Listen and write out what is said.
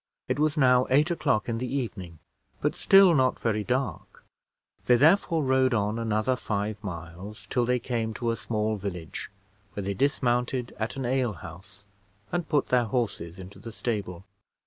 It was now eight o'clock in the evening, but still not very dark; they therefore rode on another five miles, till they came to a small village, where they dismounted at an ale house, and put their horses into the stable.